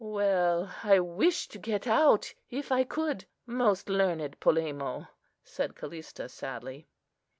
"Well, I wish to get out, if I could, most learned Polemo," said Callista sadly.